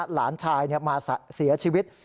หลานชายมาเสียชีวิต